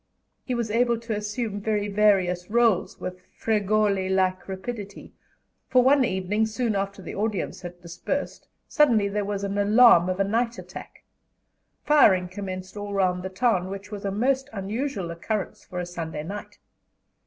He was able to assume very various rôles with "Fregoli like" rapidity; for one evening, soon after the audience had dispersed, suddenly there was an alarm of a night attack. Firing commenced all round the town, which was a most unusual occurrence for a Sunday night.